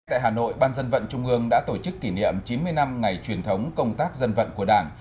tại hà nội ban dân vận trung ương đã tổ chức kỷ niệm chín mươi năm ngày truyền thống công tác dân vận của đảng